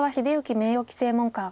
名誉棋聖門下。